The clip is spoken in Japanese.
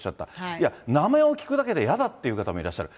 いや、名前を聞くだけで嫌だっていう方もいらっしゃる。